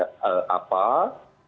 dan almarhum ini